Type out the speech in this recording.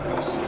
mie rebus ya